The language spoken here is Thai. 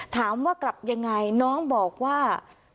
ถามว่ากลับยังไงน้องบอกว่า